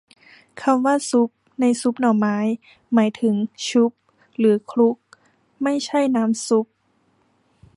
คำว่า ซุบ ในซุบหน่อไม้ หมายถึง ชุบ หรือ คลุก ไม่ใช่น้ำซุป